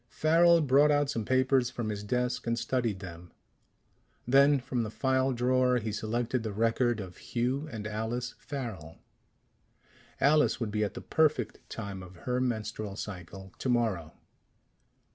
Farrel brought out some papers from his desk and studied them. Then, from the file drawer, he selected the record of Hugh and Alice Farrel. Alice would be at the perfect time of her menstrual cycle tomorrow....